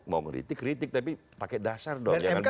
mau kritik kritik tapi pakai dasar dong